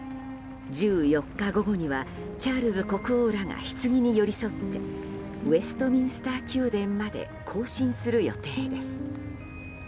１４日午後にはチャールズ国王らがひつぎに寄り添ってウェストミンスター宮殿まで行進する予定です。